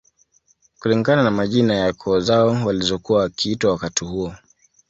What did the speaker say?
Kulingana na majina ya koo zao walizokuwa wakiitwa wakati huo